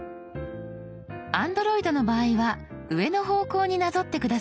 Ａｎｄｒｏｉｄの場合は上の方向になぞって下さい。